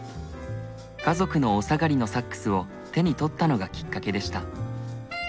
家族のお下がりのサックスを手に取ったのがきっかけでした。